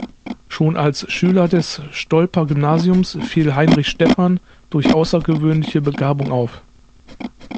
Schon als Schüler des Stolper Gymnasiums fiel Heinrich Stephan durch außergewöhnliche Begabung auf.